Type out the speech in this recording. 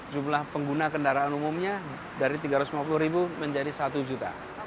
jumlah pengguna kendaraan umumnya dari tiga ratus lima puluh ribu menjadi satu juta